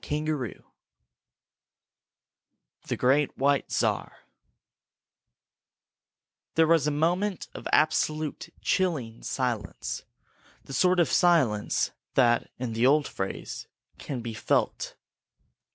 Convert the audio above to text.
CHAPTER XVIII THE GREAT WHITE CZAR There was a moment of absolute, chilling silence; the sort of silence that, in the old phrase, can be felt.